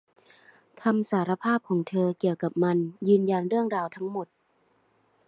คำสารภาพของเธอเกี่ยวกับมันยืนยันเรื่องราวทั้งหมด